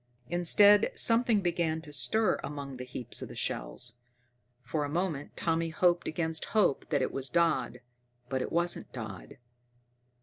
Instead, something began to stir among the heaps of shells. For a moment Tommy hoped against hope that it was Dodd, but it wasn't Dodd.